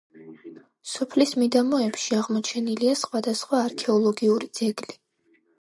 სოფლის მიდამოებში აღმოჩენილია სხვადასხვა არქეოლოგიური ძეგლი.